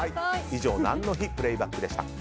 以上、何の日プレイバックでした。